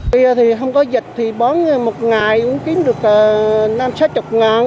bây giờ thì không có dịch thì bón một ngày cũng kiếm được năm sáu mươi ngàn